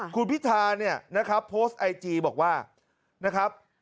คุณพิธาเนี่ยนะครับโพสต์ไอจีบอกว่านะครับ